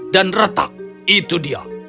dan retak itu dia